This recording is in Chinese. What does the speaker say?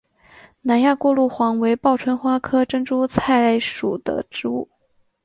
南亚过路黄为报春花科珍珠菜属的植物。